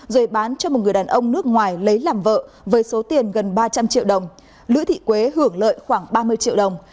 rồi bán cho một người đàn ông nước ngoài lấy làm vợ với số tiền gần ba trăm linh triệu đồng lữ thị quế hưởng lợi khoảng ba mươi triệu đồng